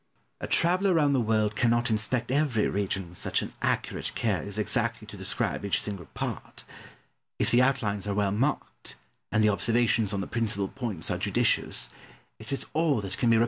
Pope. A traveller round the world cannot inspect every region with such an accurate care as exactly to describe each single part. If the outlines are well marked, and the observations on the principal points are judicious, it is all that can be required. Boileau.